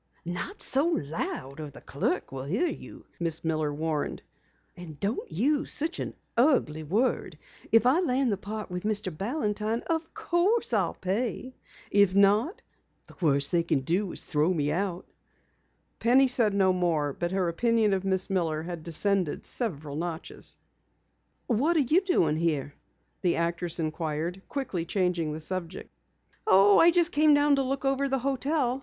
"Not so loud or the clerk will hear you," Miss Miller warned. "And don't use such an ugly word. If I land the part with Mr. Balantine, of course I'll pay. If not the worst they can do is to throw me out." Penny said no more but her opinion of Miss Miller had descended several notches. "What are you doing here?" the actress inquired, quickly changing the subject. "Oh, I just came down to look over the hotel.